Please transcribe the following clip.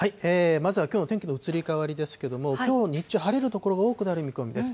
まずはきょうの天気の移り変わりですけれども、きょう日中、晴れる所が多くなる見込みです。